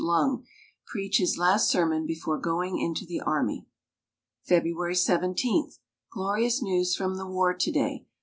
Lung preach his last sermon before going into the army. February 17. Glorious news from the war to day.